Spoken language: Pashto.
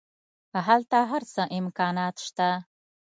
هلته هر څه امکانات شته.